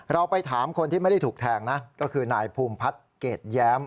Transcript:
เราไปถามคนที่ไม่ได้ถูกแทงนะก็คือนายภูมิพัฒน์เกรดแย้ม